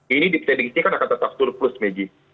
ini diprediksi akan tetap surplus maggie